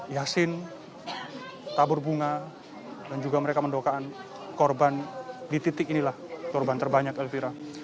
yasin tabur bunga dan juga mereka mendokaan korban di titik inilah korban terbanyak elvira